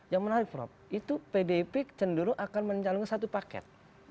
yang menarik prof itu pdip cenderung akan mencalonkan satu paket